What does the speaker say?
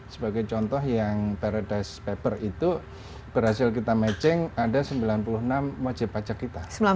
sebagai contoh yang paradise paper itu berhasil kita matching ada sembilan puluh enam wajib pajak kita